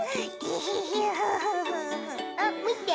あっみて！